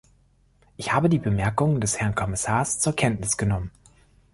Ich habe die Bemerkungen des Herrn Kommissars zur Kenntnis genommen.